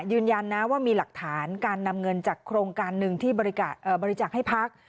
ยืนยันนะว่ามีหลักฐานการนำเงินจากโครงการหนึ่งที่บริจาคให้พัก